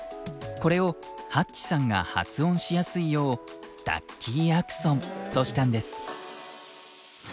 これをＨａｔｃｈさんが発音しやすいようダッキー・アクソンとしたんです。